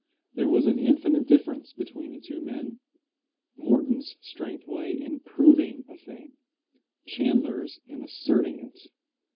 There was an infinite difference between the two men. Morton's strength lay in proving a thing; Chandler's in asserting it.